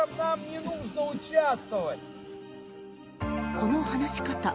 この話し方